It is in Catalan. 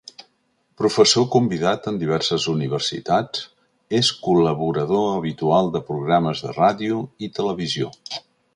Professor convidat en diverses universitats, és col·laborador habitual de programes de ràdio i televisió.